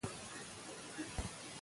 کاغذبازي د وخت د ضایع کېدو سبب ګرځي.